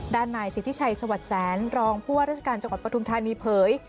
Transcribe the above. นายสิทธิชัยสวัสดิ์แสนรองผู้ว่าราชการจังหวัดปฐุมธานีเผย